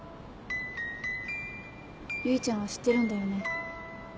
唯ちゃんは知ってるんだよね？